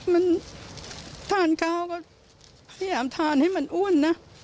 มันทานข้าวก็พยายามทานให้มันอ้วนนะ